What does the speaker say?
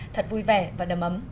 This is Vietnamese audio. thật vui vẻ và đầm ấm